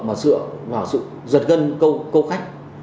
mà dựa vào sự giật gân câu khách